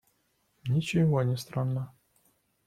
Ничего не странно.